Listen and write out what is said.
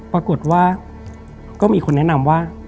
ปรากฏว่าก็มีคนแนะนำว่า